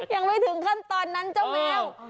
ยังไม่ถึงขั้นตอนนั้นเจ้าแมว